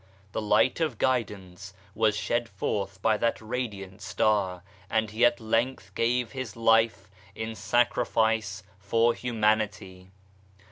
The Light of Guidance was shed forth by that radiant Star, and He at length gave His life in sacrifice for Humanity.